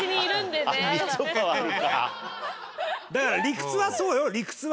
だから理屈はそうよ理屈は。